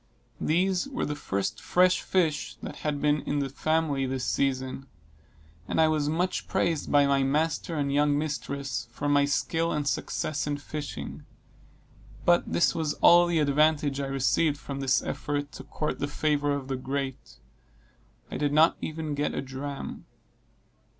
These were the first fresh fish that had been in the family this season; and I was much praised by my master and young mistresses, for my skill and success in fishing; but this was all the advantage I received from this effort to court the favor of the great: I did not even get a dram.